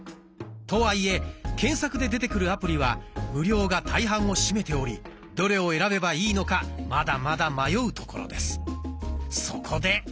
とはいえ検索で出てくるアプリは無料が大半を占めておりどれを選べばいいのかまだまだ迷うところです。